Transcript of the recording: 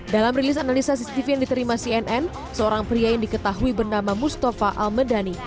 dalam rilis analisa cctv yang diterima cnn seorang pria yang diketahui bernama mustafa al medani